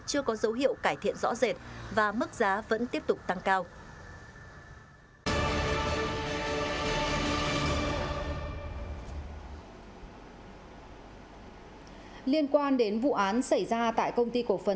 chưa có dấu hiệu cải thiện rõ rệt và mức giá vẫn tiếp tục tăng cao